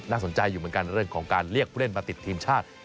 สนใจอยู่เหมือนกันเรื่องของการเรียกผู้เล่นมาติดทีมชาติ